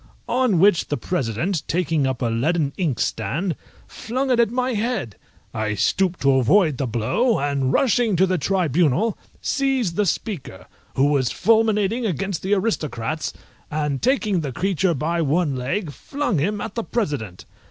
On which the President, taking up a leaden inkstand, flung it at my head. I stooped to avoid the blow, and rushing to the tribunal seized the Speaker, who was fulminating against the Aristocrats, and taking the creature by one leg, flung him at the President.